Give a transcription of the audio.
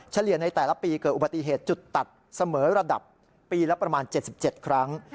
เฉลี่ยในแต่ละปีเกิดอุบัติเหตุจุดตัดเสมอระดับปีละประมาณ๗๗ครั้ง